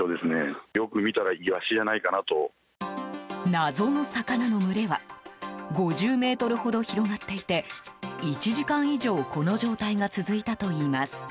謎の魚の群れは５０ｍほど広がっていて１時間以上この状態が続いたといいます。